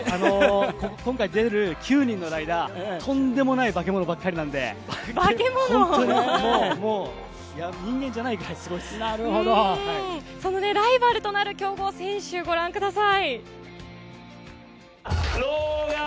今回出る９人のライダー、とんでもない化け物ばっかりなんで、本当に人間じゃないくらいすそのライバルとなる強豪選手、ご覧ください。